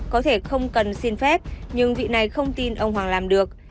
có thể không cần xin phép nhưng vị này không tin ông hoàng làm được